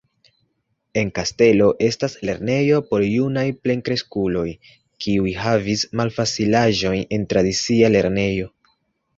En la kastelo estas lernejo por junaj plenkreskuloj, kiuj havis malfacilaĵojn en tradicia lernejo.